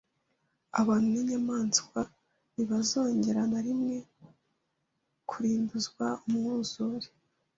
abantu n’inyamaswa ntibazongera na rimwe kurimbuzwa umwuzure